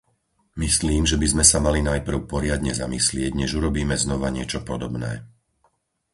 Myslím, že by sme sa mali najprv poriadne zamyslieť, než urobíme znova niečo podobné.